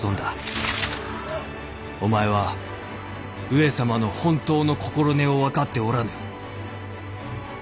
お前は上様の本当の心根を分かっておらぬ。